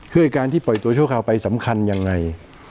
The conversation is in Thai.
คือการที่ปล่อยตัวชั่วคราวไปสำคัญยังไง